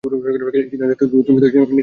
এই সিদ্ধান্ত তুমি তো নিতে পারবে না।